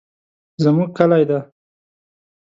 زمونږ کلي دي.